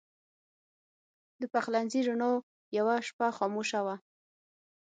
د پخلنځي رڼا یوه شپه خاموشه وه.